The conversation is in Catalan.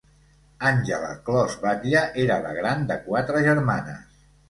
Àngela Clos Batlle, era la gran de quatre germanes.